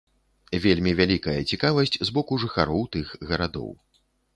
Вельмі вялікая цікавасць з боку жыхароў тых гарадоў.